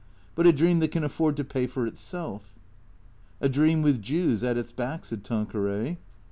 But a dream that can afford to pay for itself.'^ " A dream with Jews at its back," said Tanqueray.